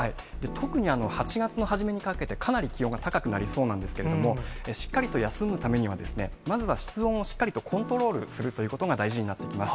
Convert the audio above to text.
特に８月の初めにかけて、かなり気温が高くなりそうなんですけれども、しっかりと休むためには、まずは室温をしっかりとコントロールするということが大事になってきます。